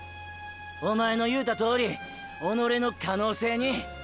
おまえの言うたとおり己の可能性に。